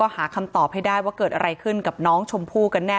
หาคำตอบให้ได้ว่าเกิดอะไรขึ้นกับน้องชมพู่กันแน่